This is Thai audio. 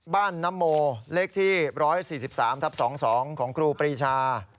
บ้านน้ำโมเลขที่๑๔๓ทับ๒๒ของครูปีชา